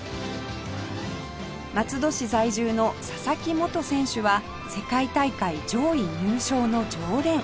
松戸市在住の佐々木元選手は世界大会上位入賞の常連